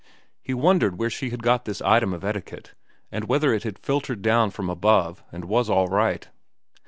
He wondered where she had got that item of etiquette, and whether it had filtered down from above and was all right.